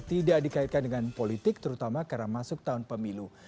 tidak dikaitkan dengan politik terutama karena masuk tahun pemilu